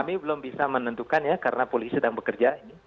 kami belum bisa menentukan ya karena polisi sedang bekerja